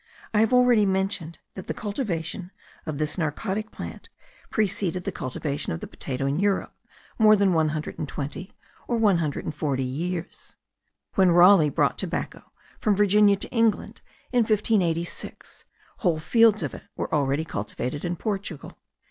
I have already mentioned that the cultivation of this narcotic plant preceded the cultivation of the potato in Europe more than 120 or 140 years. When Raleigh brought tobacco from Virginia to England in 1586, whole fields of it were already cultivated in Portugal.